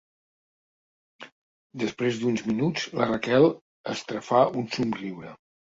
Després d'uns minuts la Raquel estrafà un somriure.